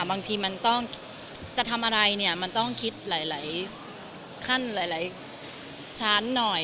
บางทีมันต้องจะทำอะไรเนี่ยมันต้องคิดหลายขั้นหลายชั้นหน่อย